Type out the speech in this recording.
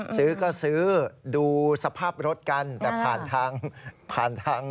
ซื้อก็ซื้อดูสภาพรถกันแต่ผ่านทางผ่านทาง